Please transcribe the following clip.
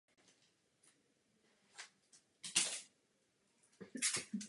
Vždy je nutno vytvořit účet nový.